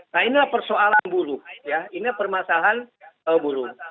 nah inilah persoalan buruh ya ini permasalahan buruh